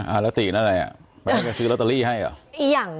อ่าแล้วตีนอะไรไปซื้อลอตเตอรี่ให้เหรอ